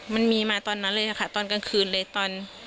มรับมีมาตอนนั้นเลยค่ะตอนกลางขึนเลย